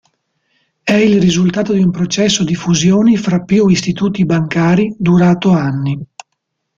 È il risultato di un processo di fusioni fra più istituti bancari durato anni.